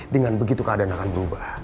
dengan begitu keadaan akan berubah